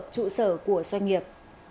trụ sở của doanh nghiệp